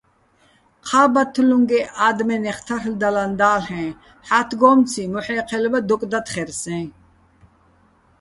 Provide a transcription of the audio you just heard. ჴა́ბათთლუჼგეჸ ა́დმენეხ თარლ'დალაჼ და́ლ'ეჼ, ჰ̦ათგო́მციჼ, მოჰ̦ე́ჴელბა დოკ დათხერ სე́ჼ.